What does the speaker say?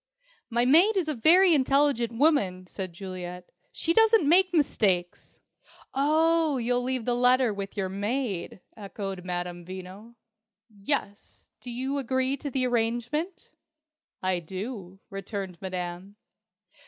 "My maid is a very intelligent woman," said Juliet. "She doesn't make mistakes." "Oh, you'll leave the letter with your maid!" echoed Madame Veno. "Yes. Do you agree to the arrangement?" "I do," returned Madame.